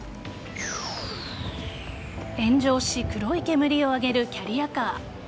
炎上し黒い煙を上げるキャリアカー。